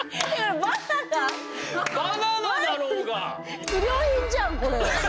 バナナだろうが！